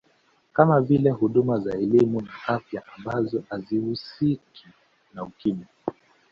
Kama vile huduma za elimu na afya ambazo hazihusiki na Ukimwi